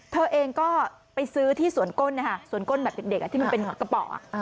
เธอเองก็ไปซื้อที่สวนก้นนะคะสวนก้นแบบเด็กที่มันเป็นหัวกระป๋อ